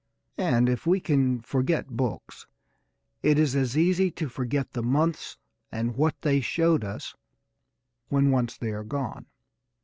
And, if we can forget books, it is as easy to forget the months and what they showed us, when once they are gone.